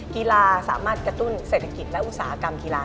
กีฬาสามารถกระตุ้นเศรษฐกิจและอุตสาหกรรมกีฬา